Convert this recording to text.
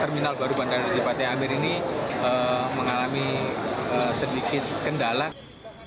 terminal baru bandara depati amir pangkal pinang bangka belitung mulai dioperasikan pada rabu sebelas januari dua ribu tujuh belas